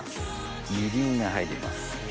みりんが入ります。